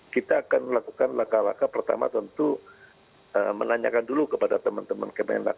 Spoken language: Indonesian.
kita akan melakukan laka laka pertama tentu menanyakan dulu kepada teman teman kemenang